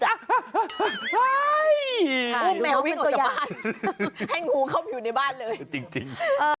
อู้แหมววิ่งออกจากบ้านให้งูเข้าผิวในบ้านเลยจริง